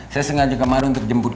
saya sengaja kemarin untuk jemput